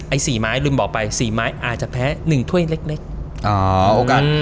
ไอ้๔ไม้ลืมบอกไป๔ไม้อาจจะแพ้๑ถ้วยเล็ก